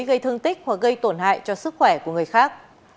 gây thương tích hoặc gây tổn hại cho sức khỏe của người khác